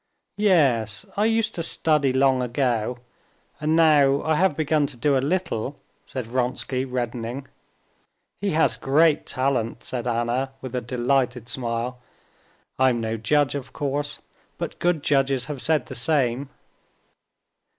"Yes, I used to study long ago, and now I have begun to do a little," said Vronsky, reddening. "He has great talent," said Anna with a delighted smile. "I'm no judge, of course. But good judges have said the same."